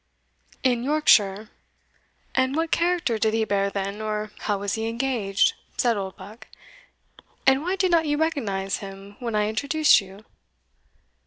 "In Yorkshire? and what character did he bear then, or how was he engaged?" said Oldbuck, "and why did not you recognise him when I introduced you?"